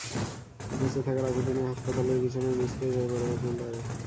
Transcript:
বেঁচে থাকার আকুতি নিয়ে হাসপাতালের বিছানায় নিস্তেজ হয়ে পড়ে আছেন তাঁরা।